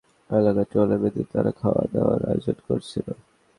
তুরাগ নদের বিরুলিয়ার শ্মশানঘাট এলাকায় ট্রলার বেঁধে তারা খাওয়া-দাওয়ার আয়োজন করছিল।